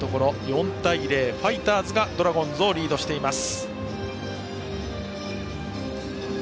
４対０とファイターズがドラゴンズをリードしています。